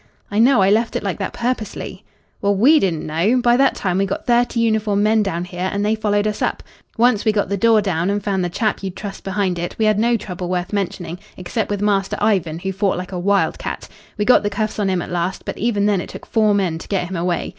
"I know. I left it like that purposely." "Well, we didn't know. By that time we got thirty uniform men down here, and they followed us up. Once we got the door down and found the chap you'd trussed behind it, we had no trouble worth mentioning except with Master Ivan, who fought like a wild cat. We got the cuffs on him at last, but even then it took four men to get him away.